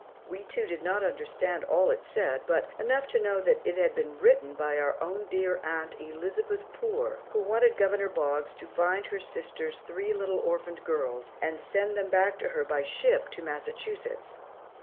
We two did not understand all it said, but enough to know that it had been written by our own dear aunt, Elizabeth Poor, who wanted Governor Boggs to find her sister's three little orphaned girls and send them back to her by ship to Massachusetts.